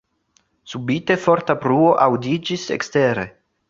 Subite forta bruo aŭdiĝis ekstere.